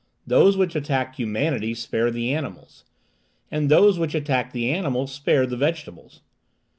Those which attack humanity spare the animals, and those which attack the animals spare the vegetables.